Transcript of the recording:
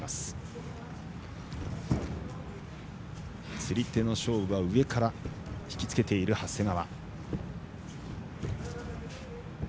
釣り手の勝負は上から引きつけている長谷川。